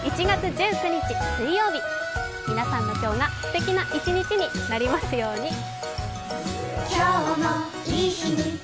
１月１９日水曜日皆さんの今日がすてきな一日になりますように。